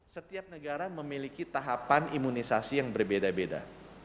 setiap negara memiliki tahapan imunisasi yang berbeda beda